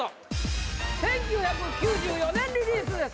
１９９４年リリースです